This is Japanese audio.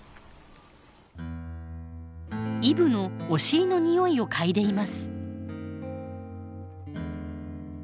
イブのお尻のにおいを嗅いでいます。